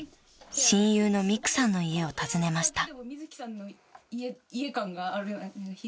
親友のみくさんの家を訪ねました］